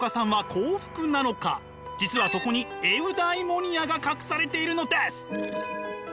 実はそこにエウダイモニアが隠されているのです。